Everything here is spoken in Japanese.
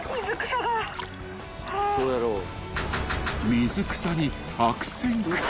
［水草に悪戦苦闘］